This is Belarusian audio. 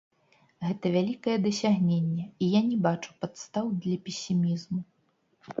Гэта вялікае дасягненне, і я не бачу падстаў для песімізму.